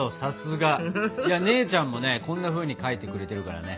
いや姉ちゃんもねこんなふうに書いてくれてるからね。